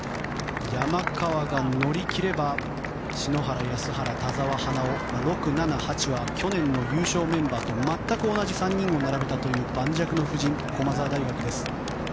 山川が乗り切れば篠原が、花尾、安原６、７、８は去年の優勝メンバーと全く同じメンバーを並べた盤石の布陣、駒澤大学です。